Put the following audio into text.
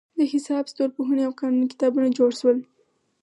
د حساب، ستورپوهنې او قانون کتابونه جوړ شول.